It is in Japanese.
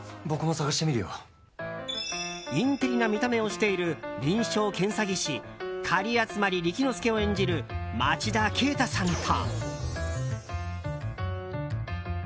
インテリな見た目をしている臨床検査技師狩集理紀之助を演じる町田啓太さんと。